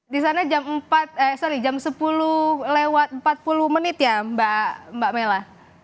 di sana jam sepuluh lewat empat puluh menit ya mbak mela